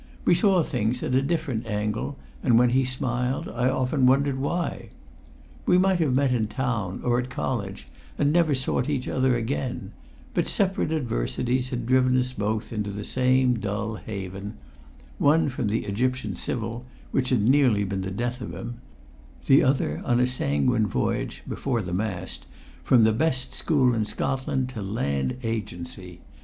We saw things at a different angle, and when he smiled I often wondered why. We might have met in town or at college and never sought each other again; but separate adversities had driven us both into the same dull haven one from the Egyptian Civil, which had nearly been the death of him; the other on a sanguine voyage (before the mast) from the best school in Scotland to Land Agency.